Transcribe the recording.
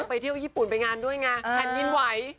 ไปเที่ยวญี่ปุ่นไปงานด้วยไงแผ่นดินไหว